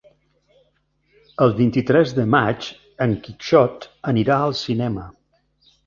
El vint-i-tres de maig en Quixot anirà al cinema.